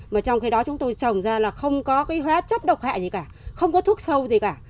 mà trong khi đó chúng tôi trồng ra là không có cái hóa chất độc hại gì cả không có thuốc sâu gì cả